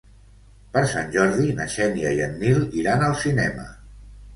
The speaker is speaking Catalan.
Per Sant Jordi na Xènia i en Nil iran al cinema.